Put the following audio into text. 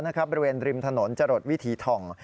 ในบริเวณริมถนนจรดวิธีทอง